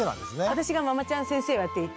私が「ママちゃん先生」をやっていて。